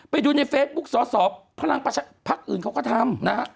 ไปดูในเฟซบุ๊กสอสอพลังประชาภักดิ์อื่นเขาก็ทำ